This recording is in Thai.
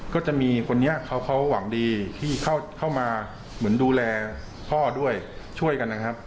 ก็จะมีคนนี้เขาหวังดีที่เข้ามาเหมือนดูแลพ่อด้วยช่วยกันนะครับ